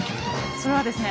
それはですね